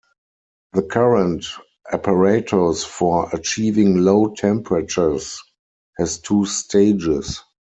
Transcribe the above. The current apparatus for achieving low temperatures has two stages.